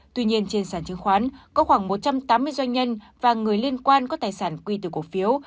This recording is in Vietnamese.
tuy nhiên trên sản chứng khoán có khoảng một trăm tám mươi doanh nhân và người liên quan có tài sản quy từ cổ phiếu